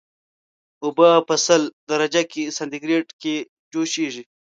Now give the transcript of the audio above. اوبه په سل درجه سانتي ګریډ کې جوشیږي